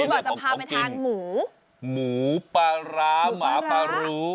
บอกจะพาไปทานหมูหมูปลาร้าหมาปลารู้